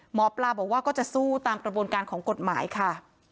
หมอปลาบอกว่าก็จะสู้ตามกระบวนการของกฎหมายค่ะ